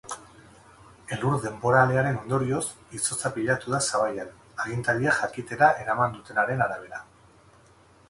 Elur denboralearen ondorioz izotza pilatu da sabaian, agintariek jakitera eman dutenaren arabera.